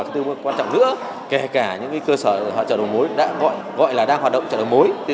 tư mức quan trọng nữa kể cả những cơ sở chợ đầu mối đã gọi là đang hoạt động chợ đầu mối